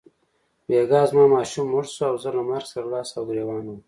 بیګا زما ماشوم مړ شو او زه له مرګ سره لاس او ګرېوان وم.